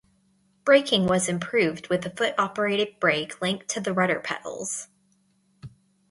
Braking was improved with a foot-operated brake linked to the rudder pedals.